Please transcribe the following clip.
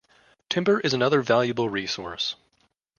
Timber is another valuable resource.